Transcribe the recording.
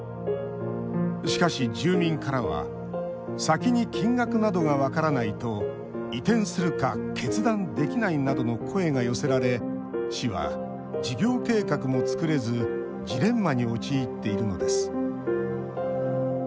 しかし、住民からは「先に金額などが分からないと移転するか決断できない」などの声が寄せられ市は事業計画も作れずジレンマに陥っているのです。